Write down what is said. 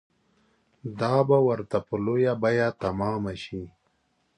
دا به ورته په لویه بیه تمامه شي.